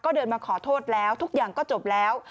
ก็เดินมาขอโทษแล้วทุกอย่างก็จบแล้ว